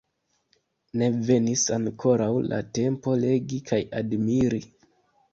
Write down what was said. Ne venis ankoraŭ la tempo legi kaj admiri.